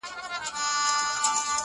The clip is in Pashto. o زلفي راټال سي گراني،